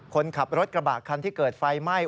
คนขับรถกระบะคันที่เกิดไฟไหม้